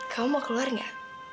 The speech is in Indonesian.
kamu mau keluar gak